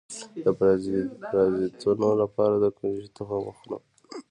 د پرازیتونو لپاره د کوم شي تخم وخورم؟